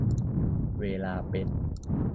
เวลาเป็น